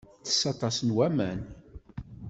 Tess aṭas n waman.